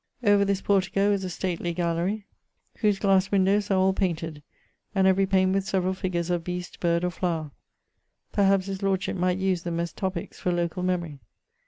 Over this portico is a stately gallerie, whose glasse windowes are all painted; and every pane with severall figures of beast, bird, or flower: perhaps his lordship might use them as topiques for locall memory.